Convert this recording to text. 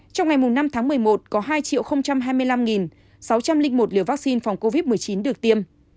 trong ngày năm tháng một mươi một có hai hai mươi năm sáu trăm linh một liều vaccine phòng covid một mươi chín được tiêm